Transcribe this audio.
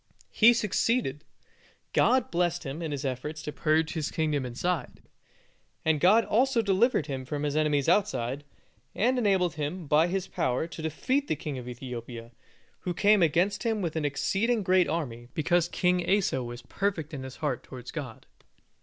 He succeeded. God blessed him in his efforts to purge his kingdom inside, and God also delivered him from his enemies outside, and enabled him by His power to defeat the king of Ethiopia, who came against him with an exceeding great army, because King Asa was perfect in his heart towards God.